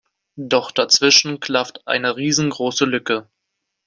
Doch dazwischen klafft eine riesengroße Lücke.